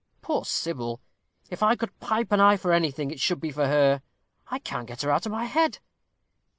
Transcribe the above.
Poor Sybil! if I could pipe an eye for anything, it should be for her. I can't get her out of my head.